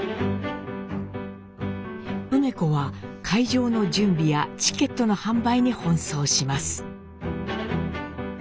梅子は会場の準備やチケットの販売に奔走します。